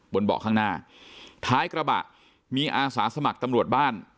เบาะข้างหน้าท้ายกระบะมีอาสาสมัครตำรวจบ้าน